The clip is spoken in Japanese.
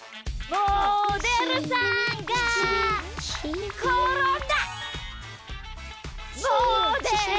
モデルさんがころんだ！